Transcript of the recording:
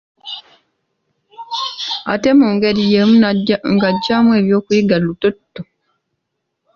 Ate mu ngeri yemu ng’aggyamu ebyokuyiga lutotto.